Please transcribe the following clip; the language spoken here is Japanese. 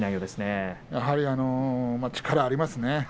やはり力がありますね。